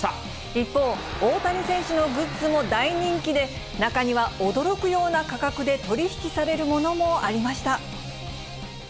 一方、大谷選手のグッズも大人気で、中には驚くような価格で取り引きされるものもありました。